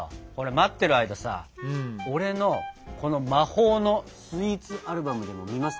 待ってる間さ俺のこの魔法のスイーツアルバムでも見ますか？